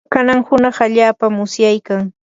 kanan hunaq allaapam usyaykan.